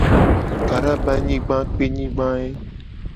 Kara be anyigba a kpenyigba ye.